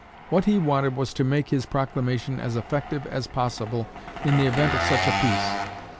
What he wanted was to make his proclamation as effective as possible in the event of such a peace.